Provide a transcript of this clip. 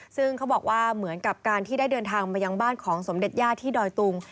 ซึ่งเขาบอกว่าเหมือนกับการที่ได้เดินทางมายังบ้านของสมเด็จย่าที่ดอยตุง